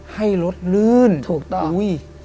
ให้รถลื่นอุ้ย